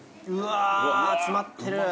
うわ詰まってる。